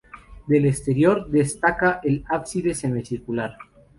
Del exterior destaca el ábside semicircular.